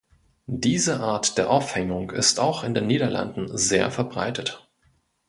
Diese Art der Aufhängung ist auch in den Niederlanden sehr verbreitet.